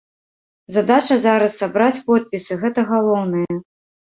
Задача зараз сабраць подпісы, гэта галоўнае.